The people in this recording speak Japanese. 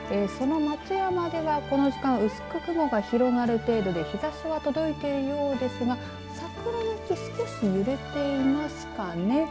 その松山では、この時間薄く雲が広がる程度で日ざしは届いているようですが桜の木が少し揺れていますかね。